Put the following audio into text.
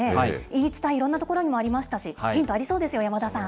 言い伝え、いろんな所にもありましたし、ヒントありそうですよ、山田さん。